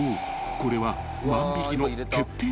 これは］